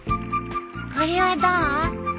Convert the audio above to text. これはどう？